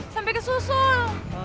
sampai ke susul